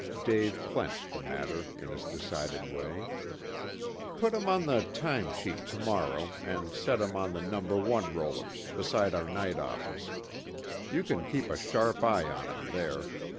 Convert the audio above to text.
Dave clenched the matter in his decided way. "Put him on the 'time sheet' to morrow, and set him on the No. 1 rollers, beside our night office. You can keep a sharp eye on him there.